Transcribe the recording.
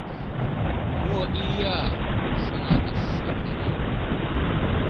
«Мо ия? — шоналтыш Шаҥгерей.